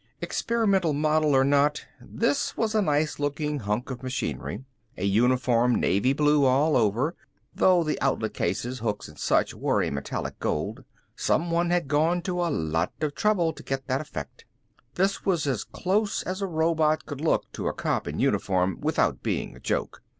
Experimental model or not, this was a nice looking hunk of machinery. A uniform navy blue all over, though the outlet cases, hooks and such were a metallic gold. Someone had gone to a lot of trouble to get that effect. This was as close as a robot could look to a cop in uniform, without being a joke.